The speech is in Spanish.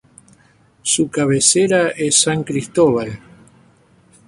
Su cabecera es San Cristóbal.